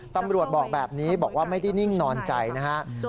ตำรวจบอกแบบนี้บอกว่าไม่ได้นิ่งนอนใจนะครับ